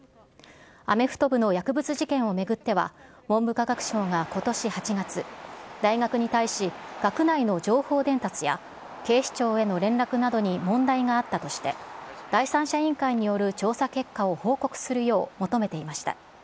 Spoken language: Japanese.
アメフト部の薬物事件を巡っては、文部科学省がことし８月、大学に対し、学内の情報伝達や警視庁への連絡などに問題があったとして、第三者委員会による調査結果を報告するよう求めていました。